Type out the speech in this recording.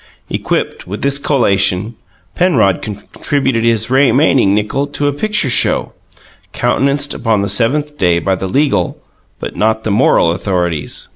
Equipped with this collation, Penrod contributed his remaining nickel to a picture show, countenanced upon the seventh day by the legal but not the moral authorities.